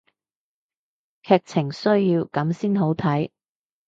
劇情需要噉先好睇